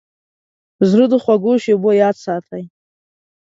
زړه د خوږو شیبو یاد ساتي.